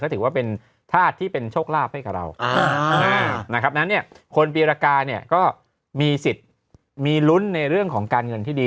เขาถือว่าเป็นธาตุที่เป็นโชคลาภให้กับเราคนปีรากาเนี่ยก็มีสิทธิ์มีลุ้นในเรื่องของการเงินที่ดี